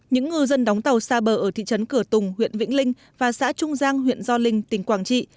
những ngư dân đóng tàu xa bờ ở thị trấn cửa tùng huyện vĩnh linh và xã trung giang huyện gio linh tỉnh quảng trị